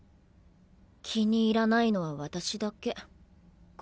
気に入らないのは私だけか。